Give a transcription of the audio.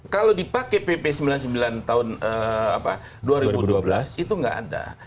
kalau dipakai pp sembilan puluh sembilan tahun dua ribu dua belas itu nggak ada